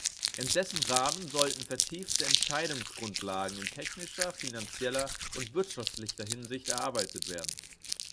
In dessen Rahmen sollten vertiefte Entscheidungsgrundlagen in technischer, finanzieller und wirtschaftlicher Hinsicht erarbeitet werden.